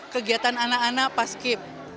kegiatan anak anak paski